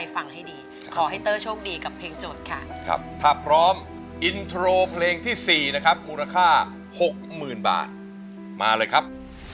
ฟังให้ดีขอให้เตอร์โชคดีกับเพลงโจทย์ค่ะครับถ้าพร้อมอินโทรเพลงที่๔นะครับมูลค่า๖๐๐๐บาทมาเลยครับ